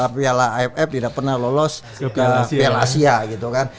biala aff tidak pernah lolos biala asia gitu kan